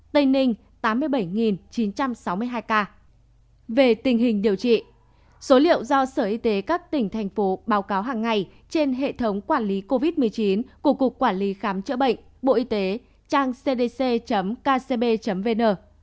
về tình hình điều trị số liệu do sở y tế các tỉnh thành phố báo cáo hàng ngày trên hệ thống quản lý covid một mươi chín của cục quản lý khám chữa bệnh bộ y tế trang cdc kcb vn